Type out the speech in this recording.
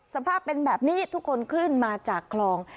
สภาพเป็นแบบนี้ทุกคนขึ้นมาจากคลอง